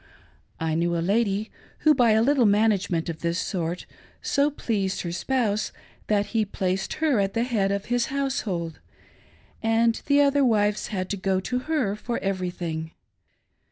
I knew a lady, who by a little management of this sort so pleased her spouse that hg placed her at the head of his household, and the other wives had to go to her for everything.